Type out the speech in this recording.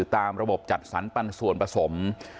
ตามระบบจัดสรรปันส่วนผสม